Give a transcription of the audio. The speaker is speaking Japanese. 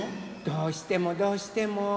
どうしてもどうしても。